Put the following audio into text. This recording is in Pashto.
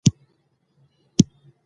کله چې انسان د خدای د هنر نقاشي ګوري